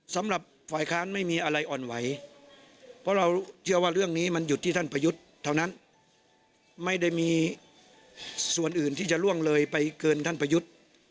สำหรับฝ่ายค้านไม่มีอะไรอ่อนไหวเพราะเราเชื่อว่าเรื่องนี้มันหยุดที่ท่านประยุทธ์เท่านั้นไม่ได้มีส่วนอื่นที่จะล่วงเลยไปเกินท่านประยุทธ์